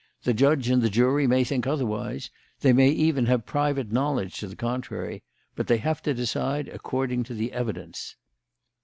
The judge and the jury may think otherwise they may even have private knowledge to the contrary but they have to decide according to the evidence."